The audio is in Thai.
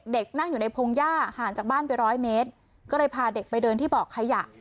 เด็กนั่งอยู่ในพงหญ้าห่างจากบ้านไปร้อยเมตรก็เลยพาเด็กไปเดินที่เบาะขยะ